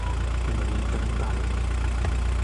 On ne vient pas m’y parler.